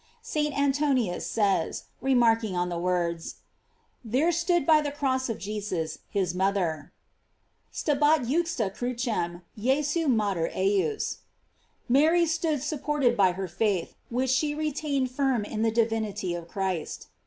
St. Antoninus says, remark ing on the words: There stood by the cross of Jesus his mother: "Stabat juxta crucem Jesu mater ejus," Mary stood supported by her faith, which she retained firm in the divinity of Christ.